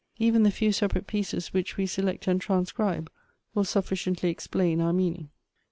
Even the few separate pieces which we select and transcribe will sufficiently explain our meaning.